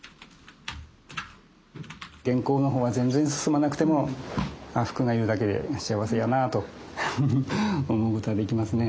原稿の方は全然進まなくてもふくがいるだけで幸せやなと思うことができますね。